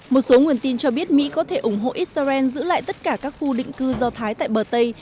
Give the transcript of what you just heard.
một số nguồn tin cho biết mỹ có thể ủng hộ israel giữ lại tất cả các khu định cư do thái tại bờ tây